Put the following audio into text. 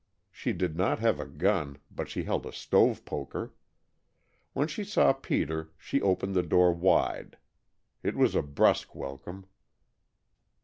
She did not have a gun, but she held a stove poker. When she saw Peter she opened the door wide. It was a brusk welcome.